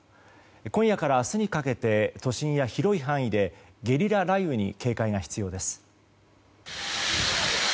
今夜から明日にかけて都心や広い範囲でゲリラ雷雨に警戒が必要です。